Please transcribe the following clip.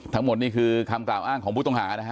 ทั้งหมดนี่คือคำกล่าวอ้างของผู้ต้องหานะฮะ